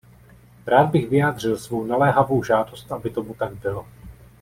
Rád bych vyjádřil svou naléhavou žádost, aby tomu tak bylo.